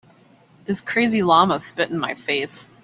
This crazy llama spit in my face.